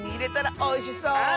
おいしそう！